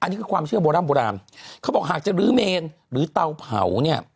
อันนี้คือความเชื่อโบร่ำโบราณเขาบอกหากจะลื้อเมนหรือเตาเผาเนี่ย